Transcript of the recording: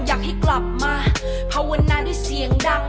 อยากให้กลับมาภาวนาด้วยเสียงดัง